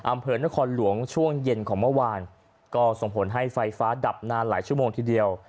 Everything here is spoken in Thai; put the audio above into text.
อำเภอนครหลวงช่วงเย็นของเมื่อวานก็ส่งผลให้ไฟฟ้าดับนานหลายชั่วโมงทีเดียว